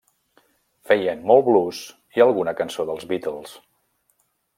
Feien molt blues i alguna cançó dels Beatles.